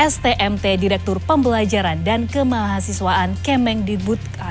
stmt direktur pembelajaran dan kemahasiswaan kemeng di budka